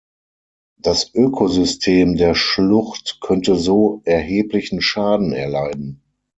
Das Ökosystem der Schlucht könnte so erheblichen Schaden erleiden.